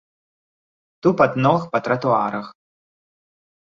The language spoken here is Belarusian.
Тупат ног па тратуарах.